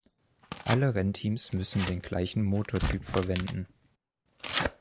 Alle Rennteams müssen den gleichen Motortyp verwenden.